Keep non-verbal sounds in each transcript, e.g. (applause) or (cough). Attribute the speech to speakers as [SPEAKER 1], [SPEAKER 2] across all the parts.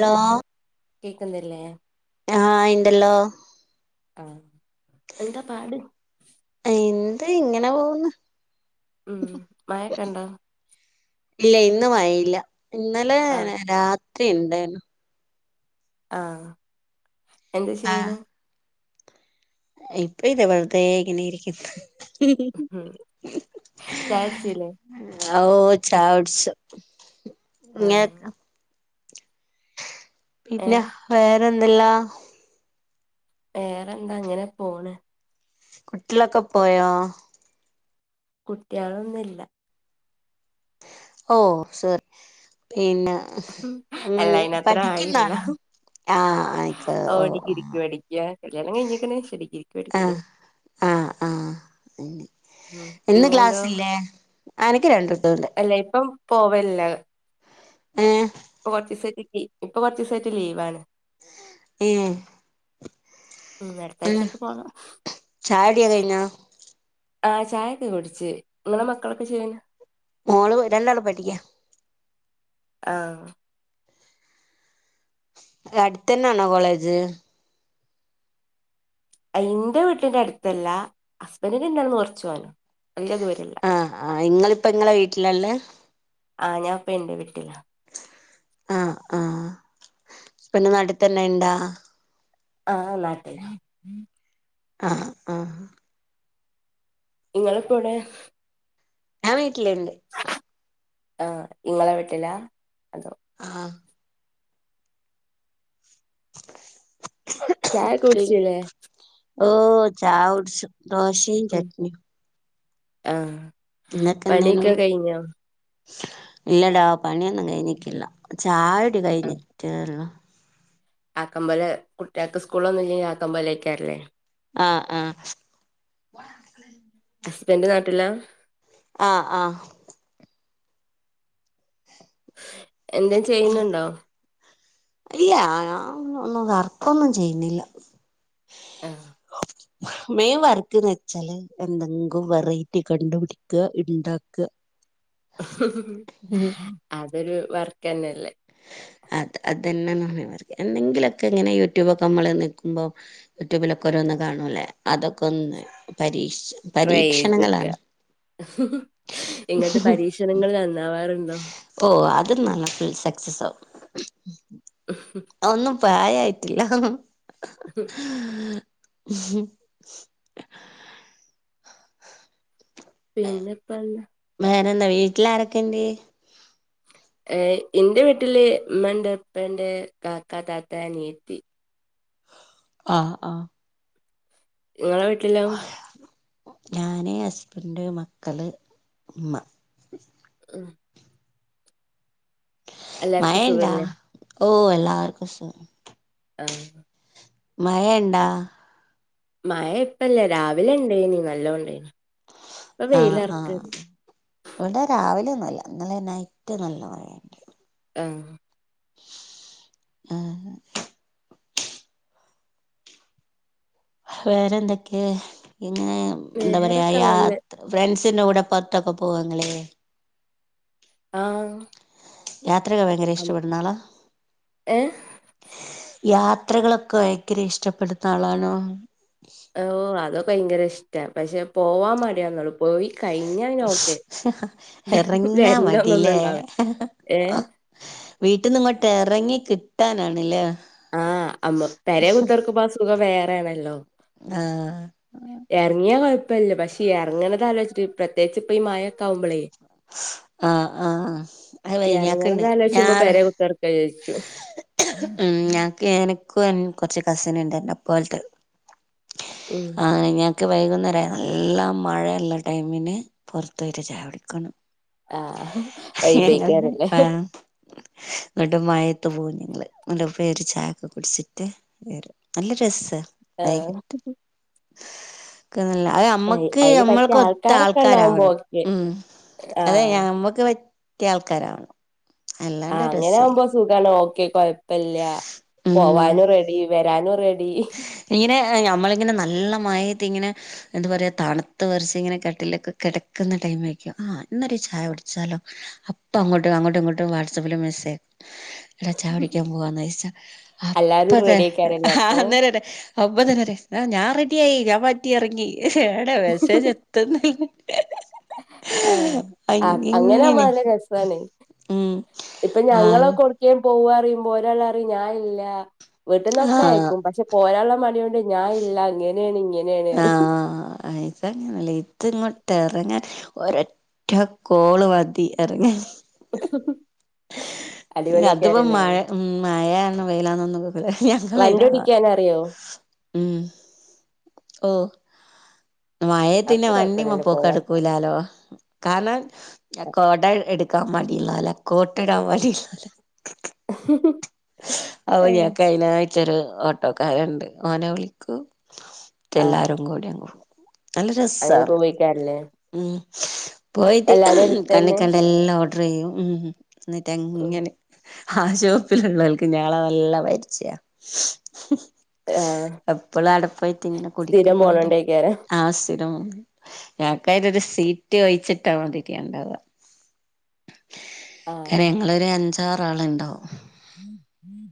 [SPEAKER 1] ആ
[SPEAKER 2] ലോ.
[SPEAKER 1] കേക്കുന്നില്ലേ.
[SPEAKER 2] ആഹ് ഇണ്ടല്ലോ.
[SPEAKER 1] ആ എന്താ പാട്
[SPEAKER 2] എന്ത് ഇങ്ങനെപോവ്ന്ന്.
[SPEAKER 1] ഉം മയൊക്കെണ്ടോ.
[SPEAKER 2] ഇല്ല ഇന്ന് മയല്ല ഇന്നലെ
[SPEAKER 1] ആ
[SPEAKER 2] രാത്രി ഇണ്ടെനു.
[SPEAKER 1] ആഹ എന്ത് ചെയ്യണ്.
[SPEAKER 2] ഇപ്പ ഇത വെറുതെ ഇങ്ങനെ ഇരിക്കുന്ന്. ഹിഹി ഹി ഹേ
[SPEAKER 1] ചായടിച്ചില്ലേ
[SPEAKER 2] ആ ഓ ചായകുടിച്ചു
[SPEAKER 1] ആ ഏ
[SPEAKER 2] ഇല്ല വേറെന്തെല്ലാ.
[SPEAKER 1] വേറെന്താ അങ്ങനെപോണ്.
[SPEAKER 2] കുട്ട്യളൊക്കെ പോയോ.
[SPEAKER 1] കുട്ട്യേളൊന്നുല്ല.
[SPEAKER 2] ഓ സോറി പിന്നെ മ്
[SPEAKER 1] അല്ല അയിനത്ര
[SPEAKER 2] പഠിക്ണ്ട.
[SPEAKER 1] ആയില്ല
[SPEAKER 2] ആഹ ആയിക്ക ഓ ആ.
[SPEAKER 1] ഡിഗ്രിക്ക് പഠിക്ക കല്യാണം കയിഞ്ക്ക്ണ് പഷേ ഡിഗ്രീക്ക് പഠിക്ക.
[SPEAKER 2] ആഹ് ആഹ് ഇന്ന്
[SPEAKER 1] ഇങ്ങൾന്തോ
[SPEAKER 2] ക്ലാസ്സില്ലേ അനക്ക് രണ്ടൂട്ടണ്ട്
[SPEAKER 1] അല്ലേ യ് പോം പോവല്ലെ
[SPEAKER 2] ഏഹ്.
[SPEAKER 1] ഇപ്പൊ കൊറച്ചുസായിട്ട്ക്കി ഇപ്പൊ കൊറച്ചുസായിട്ട് ലീവാണ്.
[SPEAKER 2] ലീവോ
[SPEAKER 1] ഉം അടുത്താഴ്ചൊക്കെ പോണം.
[SPEAKER 2] ചായുടി കഴിഞ്ഞോ
[SPEAKER 1] ആ ചായൊക്കെ കുടിച്ച് ഇങ്ങളെ മക്കളൊക്കെ ചെയ്യന
[SPEAKER 2] മോള് രണ്ടാള് പഠിക്ക.
[SPEAKER 1] ആഹ്.
[SPEAKER 2] അടുത്തനാണോ കോളേജ്?
[SPEAKER 1] ഇന്റെ വീട്ടിന്റെ അടുത്തല്ല ഹസ്ബന്റിന്റാട്ന്ന് കൊറച്ചവാനൊളു.
[SPEAKER 2] ആഹ് ആഹ് ഇങ്ങളിപ്പ ഇങ്ങളെ വീട്ടിലാള്ള
[SPEAKER 1] ആഹ ഞാൻപ്പ ഇന്റെ വീട്ടില.
[SPEAKER 2] ആഹ ആഹ പിന്നെ നാട്ടിത്ത ന്നെയിണ്ടാ.
[SPEAKER 1] ആഹ് നാട്ടിലാ.
[SPEAKER 2] ആഹ് ആഹ്.
[SPEAKER 1] ഇങ്ങള്പ്പോവിടെ?
[SPEAKER 2] ഞാൻ വീട്ടിലിണ്ട്.
[SPEAKER 1] ആഹ ഇങ്ങളെ വീട്ടിലാ. അതോ
[SPEAKER 2] ആഹ്.
[SPEAKER 1] ചായൊക്കെ കുടിച്ചിലേ?
[SPEAKER 2] ഓ ചായുട്ച് ദോശേം ചട്ട്ണിം
[SPEAKER 1] ആഹ്
[SPEAKER 2] ഇങ്ങക്ക് ന്തേനു ഇല്ലടാ പണിയൊന്നും കഴിഞ്ഞിക്കില്ല ചായുടി കഴിഞ്ഞിട്ടേള്ളു
[SPEAKER 1] ആക്കമ്പോലെ കുട്ട്യാക്ക് സ്കൂളൊന്നും ഇല്ലെങ്കിൽ ആക്കമ്പോലേക്കരല്ലേ
[SPEAKER 2] ആഹ് ആഹ്
[SPEAKER 1] ഹസ്ബൻഡ് നാട്ടില്ലാ?
[SPEAKER 2] ആ ആഹ്
[SPEAKER 1] എന്തേ ചെയ്യുന്നുണ്ടോ?
[SPEAKER 2] ഇല്ല ഞാൻ ഒന്നും വർക്കൊന്നും ചെയ്യുന്നില്ല
[SPEAKER 1] ആ
[SPEAKER 2] മേയിൻ വർക്ക്ന്ന് വെച്ചാല് എന്തെങ്കും വെറൈറ്റി കണ്ടുപിടിക്ക ഇണ്ടാക്ക ഉം
[SPEAKER 1] അതൊരു വർക്കെന്നെല്ലേ
[SPEAKER 2] അത് അതെന്നെയ മെയിൻ വർക്ക് എന്തെങ്കിലൊക്കെ ഇങ്ങനെ യൂട്യൂബൊക്കെ നമ്മൾ നീക്കുമ്പോ യൂട്യൂബിലൊക്കെ ഓരോന്ന് കാണുല്ലേ അതൊക്കൊന്ന് പരീക്ഷിച്ച്
[SPEAKER 1] ട്രൈ ചെയ്ത് വെക്ക
[SPEAKER 2] പരീക്ഷണങ്ങളാണ്
[SPEAKER 1] ഇങ്ങട്ട് പരീക്ഷണങ്ങൾ നന്നാവാറുണ്ടോ?
[SPEAKER 2] ഓ അതൊന്നന്നാവും സക്സസാവും. ഒന്നും പ്രായയിട്ടില്ല
[SPEAKER 1] പിന്നിപ്പെന്താ
[SPEAKER 2] വേറെന്താ വീട്ടിലാരൊക്കെണ്ട്?
[SPEAKER 1] എ ഇന്റെ വീട്ടില് മ്മണ്ട്, ഇപ്പണ്ട്, കാക്ക, താത്ത, അനിയത്തി
[SPEAKER 2] ആഹ് ആഹ്
[SPEAKER 1] ഇങ്ങളെ വീട്ടിലോ?
[SPEAKER 2] ഞാന് ഹസ്ബന്റ് മക്കള് ഇമ്മ
[SPEAKER 1] ഹ് എല്ലാർക്കും
[SPEAKER 2] മഴണ്ടാ.
[SPEAKER 1] സുഖല്ലേ
[SPEAKER 2] ഓ എല്ലാർക്കും സുഗ
[SPEAKER 1] ആ
[SPEAKER 2] മഴണ്ടാ?
[SPEAKER 1] മഴ ഇപ്പല്ല രാവിലെണ്ടേനി നല്ലോം ഇണ്ടേനി ഇപ്പൊ
[SPEAKER 2] ആഹ് ആഹ്
[SPEAKER 1] വെയിലറക്ക്ണ്ട്
[SPEAKER 2] ഇവിടെ രാവിലെയൊന്നുല്ല ഇന്നലെ നൈറ്റ് നല്ല മഴയ
[SPEAKER 1] ആഹ്
[SPEAKER 2] ആഹ് വേറെന്തൊക്കെയ ഇങ്ങെ എന്താ പറയാ
[SPEAKER 1] വേറൊക്കെ നല്ല
[SPEAKER 2] യാത് ഫ്രണ്ട്സിന്റെ കൂടെ പൊർതൊക്കെ പോവുവോ ങ്ങള്?
[SPEAKER 1] ആഹ്
[SPEAKER 2] യാത്രക്കെ ഭയങ്കര
[SPEAKER 1] അം
[SPEAKER 2] ഇഷ്ടപ്പെടുന്നാളാ?
[SPEAKER 1] ഏഹ്
[SPEAKER 2] യാത്രകളൊക്കെ ഭയങ്കര ഇഷ്ടപ്പെടുന്ന ആളാണോ?
[SPEAKER 1] ഓ അതൊക്കെ ഭയങ്കര ഇഷ്ട പക്ഷെ പോവാൻ മടിയാെന്നോള്ളു പോയി കഴിഞ്ഞ പിന്നൊക്കെ
[SPEAKER 2] ഇറങ്ങാ
[SPEAKER 1] വരണന്നു ഒന്നണ്ടാവില്ല ഏ
[SPEAKER 2] വീട്ടിൽന്നിങ്ങോട്ട് എറങ്ങി കിട്ടാനണല്ലേ
[SPEAKER 1] ആഹ് അമ്മ പെരെ കുത്തർക്ക്മ്പോ ആ സുഖം വേറെയാണല്ലോ
[SPEAKER 2] ആഹ്
[SPEAKER 1] എർങ്ങിയാൽ കുഴപ്പല്ല പക്ഷെ എർങ്ങണതാലോയ്ച്ചിട്ട് പ്രത്യേകിച്ച് ഇപ്പ ഈ മായൊക്കെ ആവുമ്പോളേ
[SPEAKER 2] ആഹ് ആഹ് അത്
[SPEAKER 1] എർങ്ങണത്
[SPEAKER 2] വൈഞ്ഞാക്കുണ്ട്
[SPEAKER 1] ആലോയ്ച്ചുമ്പോ
[SPEAKER 2] ഞാൻ
[SPEAKER 1] പെരെ കുത്തർ ക്കാന്ന് വിചാരിക്കും
[SPEAKER 2] മ് ഞക്ക് എനക്കു കൊർച്ച് കസിനിണ്ട് എന്നപ്പോൽതെ
[SPEAKER 1] ഉം
[SPEAKER 2] അ ഞാക്ക് വൈകുന്നേരായ നല്ല മഴയിള്ള ടൈമിന് പൊർതോയിട്ട് ചായുടിക്കണം
[SPEAKER 1] ആഹ്
[SPEAKER 2] ങ്ങള്
[SPEAKER 1] വൈബേക്കാരല്ലേ
[SPEAKER 2] ആഹ് ഇങ്ങട്ട് മഴത്ത് പോയിഞങ്ങള് ഇ പേര് ചായക്കെ കുടിച്ചിട്ട്. വരുംനല്ല രസ
[SPEAKER 1] ആഹ
[SPEAKER 2] അത് നമ്മക്ക്
[SPEAKER 1] അയിന്
[SPEAKER 2] നമ്മൾക്ക
[SPEAKER 1] പറ്റിയ
[SPEAKER 2] ഒത്ത
[SPEAKER 1] ആൾക്കാരൊക്കെ ഉണ്ടാവുമ്പോ
[SPEAKER 2] ആൾക്കാരാവണം
[SPEAKER 1] ഓക്കെ
[SPEAKER 2] ഉ. അതെ
[SPEAKER 1] ആഹ്
[SPEAKER 2] ഞമ്മുക്ക് പറ്റിയ ആൾക്കാരാവണം.
[SPEAKER 1] ആ
[SPEAKER 2] അല്ലാണ്ട്
[SPEAKER 1] അങ്ങനെ
[SPEAKER 2] രസല്ല
[SPEAKER 1] ആകുമ്പോ സുഖമാണ് ഓക്കെ കൊഴപ്പില്ല
[SPEAKER 2] ഉം
[SPEAKER 1] പോവാനും റെഡി വരാനും റെഡി റെഡി
[SPEAKER 2] ഇങ്ങനെ ഞമ്മളിങ്ങനെ നല്ല മഴത് ഇങ്ങനെ. എന്താ പറയാ തണുത്ത വിറച് ഇങ്ങനെ കട്ടിലൊക്കെ കിടക്കുന്ന ടൈം ആരിക്കും ആ എന്നാല ചായ കുടിച്ചാലോ. അപ്പൊ അങ്ങോട്ടും അങ്ങോട്ടും ഇങ്ങോട്ടും വാട്സആപ്പില് മെസ്സേജ് ആക്കും. ചായ കുടിക്കാൻ പോവാന്നഴച്ച
[SPEAKER 1] എല്ലാരും
[SPEAKER 2] അപ്പത.
[SPEAKER 1] റെഡിയേക്കാരല്ലേ അപ്പൊ
[SPEAKER 2] അപ് തന്നെ റയുംഞാൻ റെഡിയായി ഞാൻ മാറ്റിയിറങ്ങി എവിടെമെസ്സേജ് എ.
[SPEAKER 1] ആഹ്
[SPEAKER 2] അ
[SPEAKER 1] ആഹ് അങ്ങനെ ആവുമ്പോ
[SPEAKER 2] ങ്ങിനെ
[SPEAKER 1] നല്ല രസാണ്
[SPEAKER 2] ഉം ആ
[SPEAKER 1] എവിടേക്കെങ്കിലുംപോവാന്ന് അറിയുമ്പോ ഒരാൾ പറയും ഞാൻ ഇല്ല വീട്ടിൽന്നൊക്കെ
[SPEAKER 2] ആ
[SPEAKER 1] അയക്കും പക്ഷെ. പോരാളള മടി കൊണ്ട് ഞാൻ ഇല്ല ഇങ്ങനെയാണ് ഇങ്ങനെയാണ് പറയും
[SPEAKER 2] ആ ആ ങ്ങനല്ലേ ഇത ഇങ്ങോട്ട് ഇറങ്ങാൻ ഒരൊറ്റ കോള് മതി ഇറങ്ങാൻ.
[SPEAKER 1] ഹും ഹും
[SPEAKER 2] അതിപ്പോ മഴ ഉ മഴാണ് വെയിലാന്നൊന്നുംക്കല ഞങ്ങൾ ഇരാ
[SPEAKER 1] യോ
[SPEAKER 2] ഉം ഓ മയത്ത് പിന്നെ
[SPEAKER 1] അപ്പൊ
[SPEAKER 2] വണ്ടിമ്മ
[SPEAKER 1] കൊഴപ്പല്ലല്ലോ
[SPEAKER 2] പൊക്
[SPEAKER 1] പോവാൻ
[SPEAKER 2] നടക്കൂലാലോ. കാരണം കൊട എടുക്കാൻ മടില്ല വരാ കോട്ട് ഇടാൻ മടി ഇല്ല വരാ ഹവു നമുക് അതിനായിട് ഇച്ചെരുഓട്ടോക്കാരുണ്ട് ഓനെ വിളിക്കു
[SPEAKER 1] ആഹ്
[SPEAKER 2] എല്ലാരും കൂടി അങ്ങ് പോും. നല്ല
[SPEAKER 1] അങ്ങനെ
[SPEAKER 2] രസമാണ്
[SPEAKER 1] പോവേക്കാരല്ലേ
[SPEAKER 2] ഉ പോയിട്ട്
[SPEAKER 1] എല്ലാരും അടുത്തന്നെ
[SPEAKER 2] കണ്ണിക്കണ്ടഎല്ലാം. ടയും ഉ എന്നിട്ട്
[SPEAKER 1] ഉം
[SPEAKER 2] അങ്ങനെ. ആ ഷോപ്പില് ഉള്ള ആൾക്ക് ഞങ്ങളെ നല്ല പരിച്ചയാ.
[SPEAKER 1] ആഹ്
[SPEAKER 2] എപ്പോളും അട പോയിട്ട് ഇങ്ങനെ
[SPEAKER 1] സ്ഥിരം
[SPEAKER 2] കുടിക്കുന്നുണ്ട്
[SPEAKER 1] പോണോണ്ടേക്കാരം
[SPEAKER 2] ആസുര. ഞങ്ങൾക്ക് അതിന് ഒരു സീറ്റ് ഒഴിച്ചിട്ടാ മാതിരി ഉണ്ടാവ. കാര
[SPEAKER 1] ആഹ്
[SPEAKER 2] ഞങ്ങളൊരു അഞ്ചാറ് ആൾ ഉണ്ടാാവും.
[SPEAKER 1] ഉം ഉം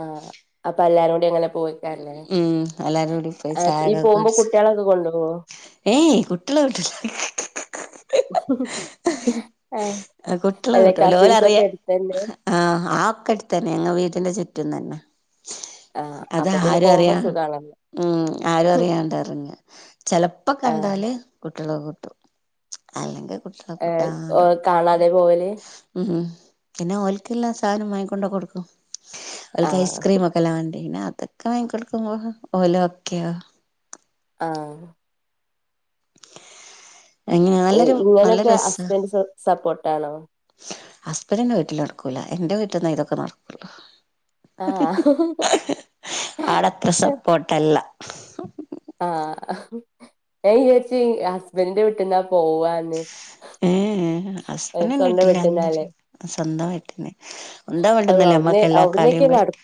[SPEAKER 1] ആഹ് അപ്പൊ എല്ലാരും കൂടി ങ്ങനെ പോയിക്കാരല്ലേ
[SPEAKER 2] ഉം എല്ലാരും കൂടി പോയി
[SPEAKER 1] ഈ
[SPEAKER 2] ചായയൊക്കെ
[SPEAKER 1] പോകുമ്പോ
[SPEAKER 2] കുടിച്ച്
[SPEAKER 1] കുട്ടികളൊക്കെ കൊണ്ടുപോവോ.
[SPEAKER 2] ഏയ് കുട്ടികളെവിട്ടില്ല.
[SPEAKER 1] ആഹ് അല്ല കസിൻസൊക്കെ എടുത്തന്നെ.
[SPEAKER 2] ആഹ ആ ഒക്കെ അടുത്തന്നെ ങ്ങ വീടിന്റെ ചുറ്റും തന്നെ.
[SPEAKER 1] ആഹ്
[SPEAKER 2] അത്
[SPEAKER 1] അപ്പൊ പിന്നെ
[SPEAKER 2] ആരും
[SPEAKER 1] പോകുമ്പോ
[SPEAKER 2] അറിയാ
[SPEAKER 1] സുഖാണല്ലോ
[SPEAKER 2] ഉം ആരം അറിയണ്ടറങ്ങ ചെിലപ്പോ
[SPEAKER 1] ആഹ്
[SPEAKER 2] കണ്ടാല് കുട്ടികളെ കൂട്ടും അല്ലെങ്കി കൂട്ടൂല
[SPEAKER 1] ഏഹ് കാണാതെ പോകല്.
[SPEAKER 2] ഉം പിന്നെ ഓൽക്ള്ള സാനം മാങ്ങിക്കൊണ്ടേ കൊട്ക്കും ഓൽക്ക്
[SPEAKER 1] ആഹ്
[SPEAKER 2] ഐസ്ക്രീം ഒക്കെ. വണ്ടീ അതൊക്കെ വാങ്ങി കൊടുക്കുമ്പോ ഓലൊക്കെ ആവും
[SPEAKER 1] ആഹ്
[SPEAKER 2] അങ്ങനെ നല്ലൊരു നല്ല
[SPEAKER 1] ഇങ്ങനെയൊക്കെ
[SPEAKER 2] രസാ
[SPEAKER 1] ഹസ്ബൻറ് സപ്പോർട്ടാണോ
[SPEAKER 2] ഹസ്ബൻഡിന്റെ വീട്ടിൽ നടക്കൂല എന്റെ വീട്ടിൽന്ന ഇതൊക്കെ നടക്കള്ളു
[SPEAKER 1] ആഹ്
[SPEAKER 2] ആടെ അത്ര സപ്പോട്ടല്ല.
[SPEAKER 1] ആഹ് ഞാൻ വിചാര്ച്ചു ഹസ്ബൻഡിന്റെ വീട്ടിൽന്നാ പോവാന്ന്.
[SPEAKER 2] ഏഹ് ഏഹ്
[SPEAKER 1] ഏഹ്
[SPEAKER 2] ഹസ്ബൻഡ്ന്റെ
[SPEAKER 1] സ്വന്തം വീട്ടിന്നാല്ലേ
[SPEAKER 2] വീട്ടിന്നെല്ല സ്വന്തം വീട്ടീന്ന് നമ്മൾടെ
[SPEAKER 1] അത്
[SPEAKER 2] വീട്ടിന്നെല്ലേ ഞമ്മൾ
[SPEAKER 1] അവിടുന്ന്
[SPEAKER 2] എല്ലാ കളിമ്
[SPEAKER 1] അവിടന്നൊക്കെ
[SPEAKER 2] കളിക്ക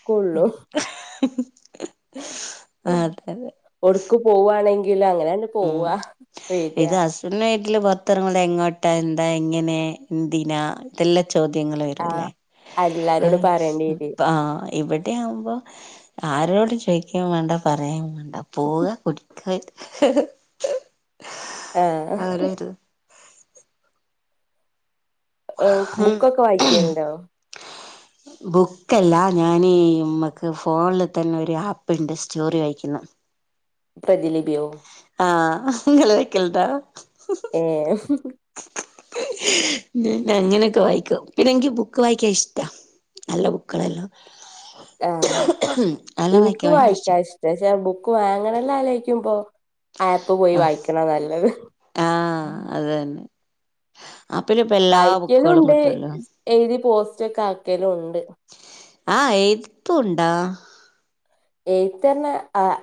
[SPEAKER 1] ഒട്ക്ക് പോവാണെങ്കിലും അങ്ങനെണ് പോവ വേര.
[SPEAKER 2] ഇവ്ട്ന്ന് വീട്ടിൽ പുത്തറങ്ങുമ്പോ എങ്ങോട്ടാ എന്താ എങ്ങനെ ന്തിനാ ഇതെല്ലാ ചോദ്യങ്ങള്
[SPEAKER 1] ആഹ്
[SPEAKER 2] വരുല്ലേ
[SPEAKER 1] എല്ലാരോടും
[SPEAKER 2] അഹ്
[SPEAKER 1] പറയേണ്ടി വരും
[SPEAKER 2] പ്പാ ഇവി വിടെ ആവുമ്പോ ആരോടും ചോദിക്കെ വേണ്ട പറയെ വേണ്ട പോവ കുടിക്ക. ഹ് ഹ്
[SPEAKER 1] ആഹ് ഓഹ് ബുക്കൊക്കെ
[SPEAKER 2] ഇത്
[SPEAKER 1] വായിക്കല്ണ്ടോ
[SPEAKER 2] ബുക്കല്ല ഞൻ മക്ക് ഫോണിൽ തന്നെ ഒരു ആപ്പ്ണ്ട് സ്റ്റോറി വായിക്കുന്നു
[SPEAKER 1] പ്രതിലിപിയോ.
[SPEAKER 2] ആഹ് ഇങ്ങളയിക്കല്ണ്ടോ
[SPEAKER 1] പിന്നെ
[SPEAKER 2] ഞാൻ അങ്ങനെയൊക്കെ വായിക്കും പിന്നെക്ക് ബുക്ക് വായിക്കാൻ ഇഷ്ടാ. നല്ല ബുക്കാള്ളെല്ലം
[SPEAKER 1] ആഹ് ഇനിക്കും
[SPEAKER 2] ഇഷ്ട
[SPEAKER 1] വായിക്കാ ഇഷ്ടാ പക്ഷേ ബുക്ക് വാങ്ങണല്ലോ ആലോയ്ക്കുമ്പോ. ആപ്പ് പോയി വായിക്കണ നല്ലത്
[SPEAKER 2] ആഹ് അത് തന്നെ ആപ്പ്ല് പ്പ എല്ലാ ബുക്കുകളും
[SPEAKER 1] വായിക്കലുണ്ട്
[SPEAKER 2] കിട്ടല്ലോ.
[SPEAKER 1] എഴുതി പോസ്റ്റ് ഒക്കെ ആക്കലും ഉണ്ട്.
[SPEAKER 2] ആഹ് എഴുത്തു ണ്ടോ.
[SPEAKER 1] എഴുത്ത്ർഞ്ഞ ആഹ്.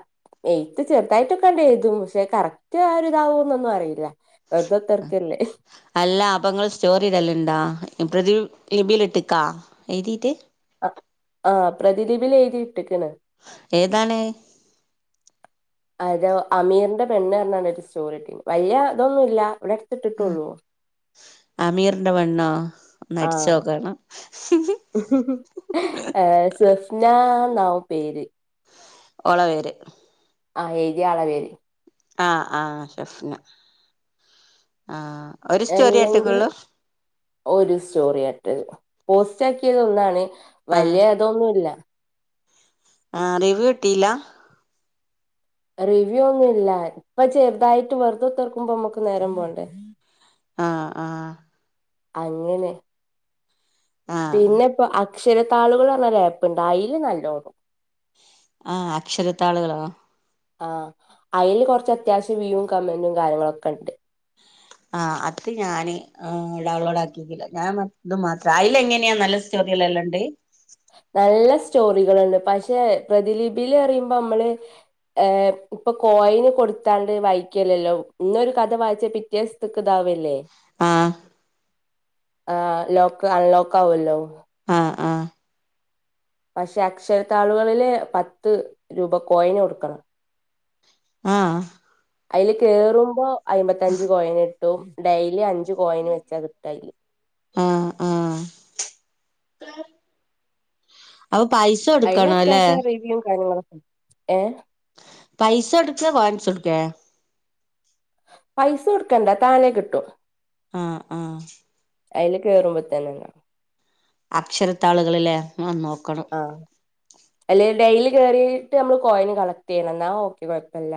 [SPEAKER 1] എഴ്ത്ത് ചെറുതായിട്ടൊക്കണ്ട് എഴുതും പക്ഷെ കറക്റ്റ് ആഹ്ഒര് ഇതാവോന്നൊന്നും അറീല. വേർതതർക്കല്ലേ.
[SPEAKER 2] അല്ല അപ്പങ്ങൾ സ്റ്റോറി ഇടല് ണ്ടോ പ്രതി ലിപിൽ ഇട്ട്ക്കാ എഴുതിട്ട്.
[SPEAKER 1] അഹ് ആഹ് പ്രദലീപിൽ എഴുതി ഇട്ട്ക്ക്ണ്.
[SPEAKER 2] ഏതാണ്.
[SPEAKER 1] അത് അമീറിന്റെ പെണ്ണ് ർഞ്ക്കാണ്ട് ഒരു സ്റ്റോറിട്ടിനി വല്യ തൊന്നുല്ല ഇവിടെട്ത്ത്
[SPEAKER 2] ഉം അമീറിന്റെ പെണ്ണോ ഒന്നടിച്ചോക്കണം.
[SPEAKER 1] ആഹ് സ്വഫ്ന നാവും പേര്.
[SPEAKER 2] ഓളെ പേര്.
[SPEAKER 1] ആഹ് എഴതിയാ ആളെ പേര്.
[SPEAKER 2] ആഹ് ആ ഷെഫ്ന. ആഹ് ഒ ര്
[SPEAKER 1] അല്ലെങ്കിൽ
[SPEAKER 2] സ്റ്റോറിയട്ട്ക്കൊള്ളൂ.
[SPEAKER 1] ഒരു സ്റ്റോറിയാ ഇട്ടത് പോസ്റ്റ് ആക്കിയത് ഒന്നാണ്
[SPEAKER 2] ആഹ്
[SPEAKER 1] വല്ല്യതൊന്നുല്ല
[SPEAKER 2] ആഹ് റിവ്യൂ ട്ടിയില്ല
[SPEAKER 1] റിവ്യൂ ഒന്നുല്ല ഇപ്പൊ ചെർതായിട്ട് വെർതെക്കുത്തർക്കുമ്പോ അമ്മക്ക് നേരം പോണ്ടേ
[SPEAKER 2] ആഹ് ആഹ്
[SPEAKER 1] അങ്ങനെ
[SPEAKER 2] ആഹ്
[SPEAKER 1] പിന്നെ ഇപ്പ അക്ഷരത്താളുകൾ അർഞ്ഞ ഒരു ഏപ്പ്ണ്ട് അയില് നല്ലോടും
[SPEAKER 2] ആഹ് അക്ഷരത്താളുകളോ?
[SPEAKER 1] ആഹ് അയ്ല് കൊർച്ച് അത്യാവശ്യം വ്യൂവും കമന്റും കാര്യങ്ങളൊക്കെണ്ട്.
[SPEAKER 2] ആഹ് അത് ഞാന് ആഹ് ഡൗൺലോഡ് ആകിട്ടില്ല ഞാൻ പർഞ് ഇത് മാത്രം അയ്ല് എങ്ങനെയാ നല്ല സ്റ്റോറികള് എല്ലാൻഡ്
[SPEAKER 1] നല്ല സ്റ്റോറികള്ണ്ട് പക്ഷെ പ്രതിലീപില് പറിമ്പം അമ്മള് ഏഹ് ഇപ്പൊ കോയിന് കൊടുത്താണ്ട് വായിക്കല്ലല്ലോ ഇന്നൊരു കഥ വായിച്ച പി റ്റെ സ്ത്ക്ക് താവല്ലേ
[SPEAKER 2] ആഹ്
[SPEAKER 1] ആഹ് ലോക്ക് അൺലോക്ക് ആവുല്ലോ
[SPEAKER 2] ആഹ് ആഹ്
[SPEAKER 1] പക്ഷെ അക്ഷരത്താളുകളില് പത്ത് രൂപ കോയിന് കൊടുക്കണം
[SPEAKER 2] ആഹ്
[SPEAKER 1] അയ്ല് കേറുമ്പോ അയ്മ്പത്തഞ്ച് കോയിന് കിട്ടും ഡെയിലി അഞ്ച് കോയിന് വെച്ചാ കിട്ടാ അയ്ല്
[SPEAKER 2] ആഹ് ആഹ് (unintelligible)
[SPEAKER 1] അയ്ല്
[SPEAKER 2] അല്ലെ
[SPEAKER 1] അത്യാവശ്യം റിവ്യും കാര്യങ്ങളോക്കെ ഇ ഏഹ്
[SPEAKER 2] പൈസ കോടുക്കെ കോയൻസ് കോട്ക്കെ
[SPEAKER 1] പൈസ കോട്ക്കണ്ട താനേ കിട്ടും
[SPEAKER 2] ആഹ് ആഹ്
[SPEAKER 1] അയ്ല് കേറുമ്പോ തന്നെ എന്നാ
[SPEAKER 2] അക്ഷരത്താളുകള് ലെ ഒന്ന് നോക്കണം
[SPEAKER 1] അല്ലേ ഡെയ്ലി കേറിട്ട് നമ്മള് കോയിന് കളക്ട് ചെയ്യണം എന്നാ ഓക്കെ കൊഴപ്പല്ല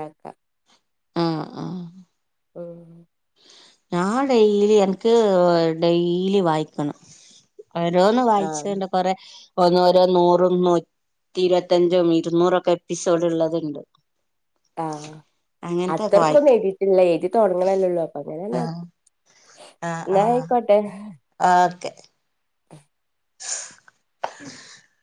[SPEAKER 2] ആഹ് ആഹ്
[SPEAKER 1] ഉം
[SPEAKER 2] ഞാൻ ഡെയ്ലി എൻക്ക് ഡെയ്‌ലി വായിക്കണം ഓരോന്ന്
[SPEAKER 1] ആഹ്
[SPEAKER 2] വായിച്ചണ്ട് കൊറെ ഒന്നോരോ നൂറും നൂറ്റി ഇരത്തഞ്ചും ഇരുന്നൂറൊക്കെ എപ്പിസോഡ് ഇള്ളത്ണ്ട്
[SPEAKER 1] ആഹ് അത്രക്കൊന്നും
[SPEAKER 2] വായിക്കും
[SPEAKER 1] എഴുതിട്ടില്ല എഴുതി തുടങ്ങ്ണല്ലേ ഒള്ളൂ അങ്ങനെന്നെ
[SPEAKER 2] ആഹ് ആഹ്
[SPEAKER 1] എന്നാ
[SPEAKER 2] ആഹ്
[SPEAKER 1] ആയ്ക്കോട്ടെ
[SPEAKER 2] ഓക്കെ
[SPEAKER 1] ഉഹ (inaudible)
[SPEAKER 2] ഉ (inaudible)